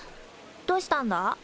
どしたんだ？